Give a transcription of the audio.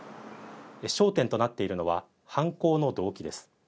焦点となっているのは犯行の動機です。